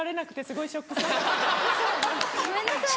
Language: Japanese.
ごめんなさい！